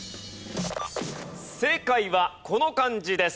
正解はこの漢字です。